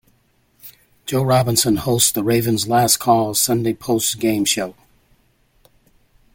Joe Robinson hosts the "Ravens' Last Call" Sunday post-game show.